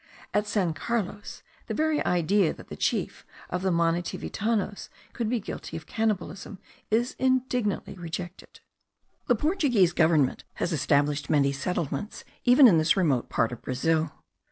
At San Carlos the very idea that the chief of the Manitivitanos could be guilty of cannibalism is indignantly rejected. The Portuguese government has established many settlements even in this remote part of Brazil.